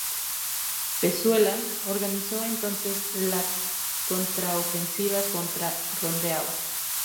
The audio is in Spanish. Pezuela organizó entonces la contraofensiva contra Rondeau.